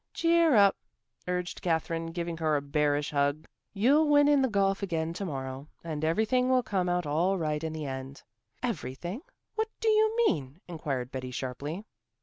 "Cheer up," urged Katherine, giving her a bearish hug. "You'll win in the golf again to morrow, and everything will come out all right in the end." "Everything? What do you mean?" inquired Betty sharply.